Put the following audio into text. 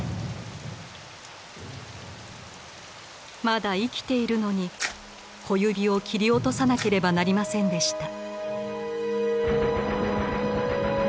まだ生きているのに小指を切り落とさなければなりませんでした。